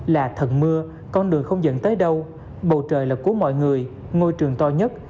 là thần mưa con đường không dẫn tới đâu bầu trời là của mọi người ngôi trường to nhất